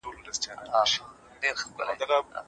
تاسو باید د پخلي غوړ په یو سرپټي او وچ ځای کې وساتئ.